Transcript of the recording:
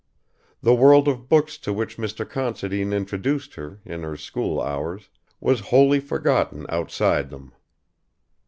The world of books to which Mr. Considine introduced her in her school hours was wholly forgotten outside them.